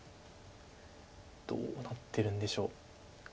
どうなってるんでしょう。